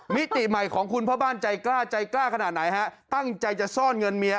มิติใหม่ของคุณพ่อบ้านใจกล้าใจกล้าขนาดไหนฮะตั้งใจจะซ่อนเงินเมีย